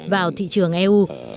vào thị trường eu